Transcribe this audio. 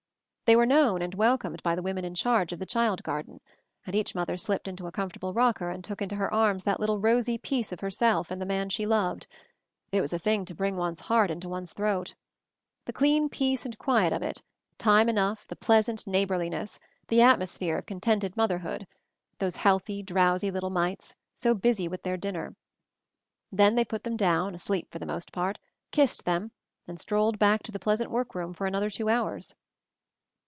They were known and welcomed by the women in charge of the child garden; and each mother slipped into a comfortable rocker and took into her arms that little rosy piece of herself and the man she loved — it was a thing to bring one's heart into one's throat. The clean peace and quiet of it, time enough, the pleasant neighborliness, the at mosphere of contented motherhood, those healthy, drowsy little mites, so busy with their dinner. Then they put them down, asleep For the most part, kissed them, and strolled back to the pleasant workroom for another two hours.